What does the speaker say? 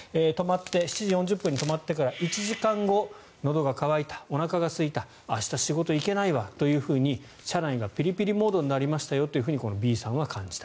７時４０分に止まってから１時間後のどが渇いた、おなかがすいた明日仕事行けないわというふうに車内がピリピリモードになりましたよというふうにこのＢさんは感じた。